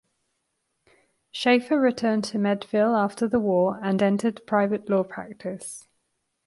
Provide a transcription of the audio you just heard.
Shafer returned to Meadville after the war and entered private law practice.